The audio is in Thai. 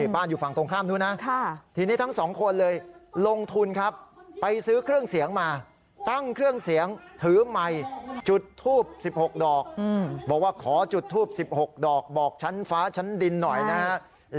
บอกว่าขอจุดทูป๑๖ดอกบอกชั้นฟ้าชั้นดินหน่อยนะครับ